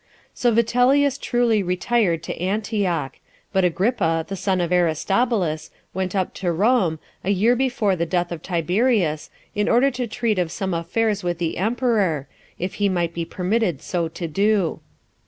So Vitellius truly retired to Antioch; but Agrippa, the son of Aristobulus, went up to Rome, a year before the death of Tiberius, in order to treat of some affairs with the emperor, if he might be permitted so to do.